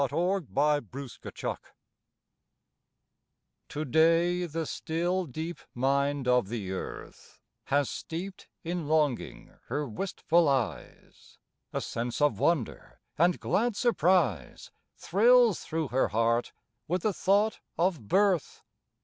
THE ALL MOTHER'S AWAKENING To day the still, deep mind of the Earth Has steeped in longing her wistful eyes, A sense of wonder and glad surprise Thrills thro' her heart with a thought of birth.